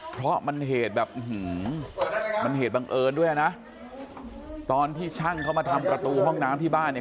เพราะมันเหตุแบบมันเหตุบังเอิญด้วยนะตอนที่ช่างเขามาทำประตูห้องน้ำที่บ้านเนี่ย